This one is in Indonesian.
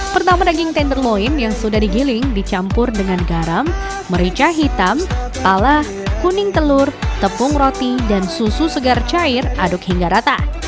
pertama daging tenderloin yang sudah digiling dicampur dengan garam merica hitam pala kuning telur tepung roti dan susu segar cair aduk hingga rata